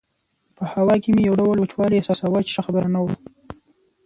په هوا کې مې یو ډول وچوالی احساساوه چې ښه خبره نه وه.